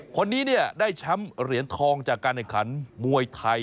คนนี้ได้แชมป์เหรียญทองจากการเอกลังคารมวยไทย